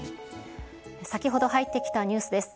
先ほど入ってきたニュースです。